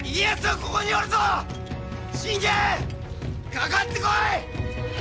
かかってこい！